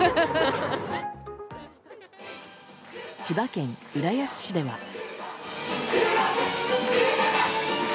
千葉県浦安市では。